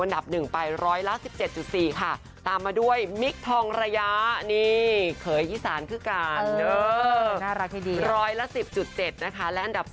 อันดับหนึ่งไปร้อยและ๑๐๗๔ค่ะตามมาด้วยมิลธองระยะนี่เผยอิสาน